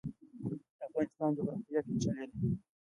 د افغانستان جغرافیا پیچلې ده